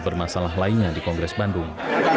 enam puluh bermasalah lainnya di kongres bandung